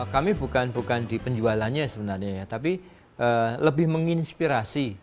kami bukan bukan di penjualannya sebenarnya ya tapi lebih menginspirasi